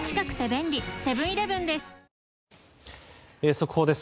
速報です。